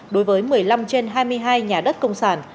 đối với một mươi năm trên hai mươi hai nhà đất công sản